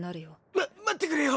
・まっ待ってくれよ！